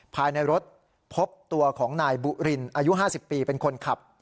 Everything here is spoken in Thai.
ภายในรถพบตัวของนายบุรินอายุ๕๐ปีเป็นคนขับ